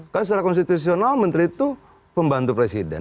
karena secara konstitusional menteri itu pembantu presiden